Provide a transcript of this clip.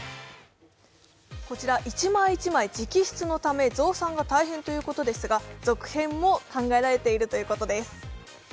こちら、１枚１枚直筆のため増産が大変ということですが、続編も考えられているということです。